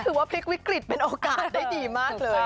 ว่าพลิกวิกฤตเป็นโอกาสได้ดีมากเลย